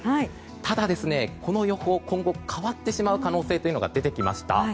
ただ、この予報今後、変わってしまう可能性というのが出てきました。